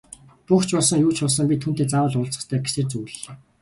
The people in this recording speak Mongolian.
Буг ч болсон, юу ч болсон би түүнтэй заавал уулзах ёстой гэсээр зүглэлээ.